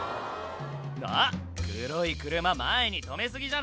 あっ黒い車前に止め過ぎじゃない？